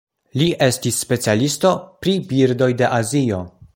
Li estis specialisto pri birdoj de Azio.